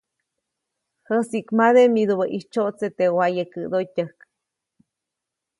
Jäsiʼkmade midubäʼ ʼitsyoʼtseʼ teʼ wayekäʼdotyäjk.